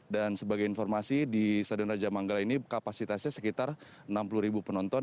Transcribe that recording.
dan sebagai informasi di stadion raja manggala ini kapasitasnya sekitar enam puluh penonton